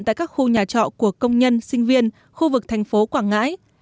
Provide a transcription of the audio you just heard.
tại các khu nhà trọ của công nhân sinh viên khu vực thành phố quảng ngãi